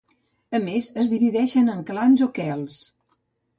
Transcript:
A més, es divideixen en clans o khels.